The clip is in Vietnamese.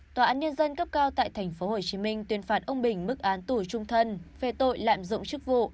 tòa án nhân dân tp hcm tuyên phạt ông bình mức án tù trung thân về tội lạm dụng chức vụ